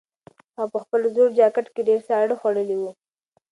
هغه په خپل زوړ جاکټ کې ډېر ساړه خوړلي وو.